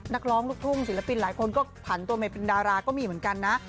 นักร้องลูกทุ่งศิลปินหลายคนก็ผ่านตัวมาเป็นดาราก็มีเหมือนกันนะ